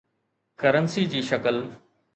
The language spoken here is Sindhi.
ڪرنسي جي شڪل